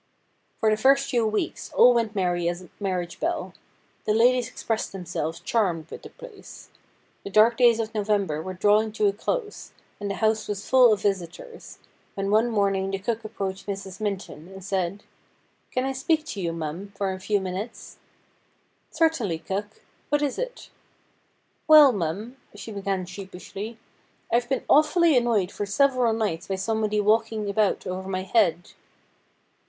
For the first few weeks all went merry as a marriage bell. The ladies expressed themselves charmed with the place. The dark days of November were drawing to a close, and the house i" 210 STORIES WEIRD AND WONDERFUL was full of visitors, when one morning the cook approached Mrs. Minton, and said :' Can I speak to you, mum, for a few minutes ?'' Certainly, cook. What is it ?' 'Well, mum,' she began sheepishly, 'I've been awfully annoyed for several nights by somebody walking about over my head.'